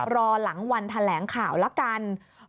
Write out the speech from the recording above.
รอหลังวันแถลงข่าวละกัน